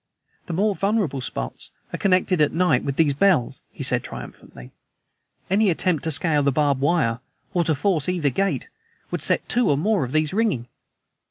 "The more vulnerable spots are connected at night with these bells," he said triumphantly. "Any attempt to scale the barbed wire or to force either gate would set two or more of these ringing.